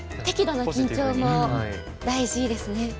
適度な緊張も大事ですね。